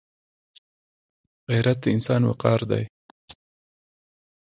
غیرت د انسان وقار دی